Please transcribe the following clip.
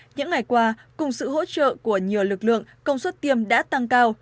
những ngày qua cùng sự hỗ trợ của nhiều lực lượng công suất tiêm đã tăng cao